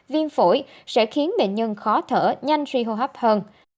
viêm phổi sẽ khiến bệnh nhân khó thở nhanh suy hô hấp hơn